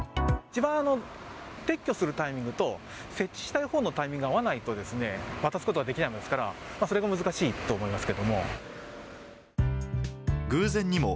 一番撤去するタイミングと、設置したいほうのタイミングが合わないと渡すことができないものですから、それが難しいと思いますけども。